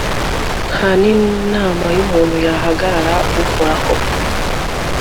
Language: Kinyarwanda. nta n'inama y'umuntu yahangara uhoraho